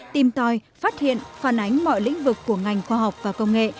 tìm tòi phát hiện phản ánh mọi lĩnh vực của ngành khoa học và công nghệ